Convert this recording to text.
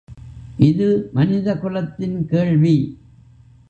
இது மனித குலத்தின் கேள்வி!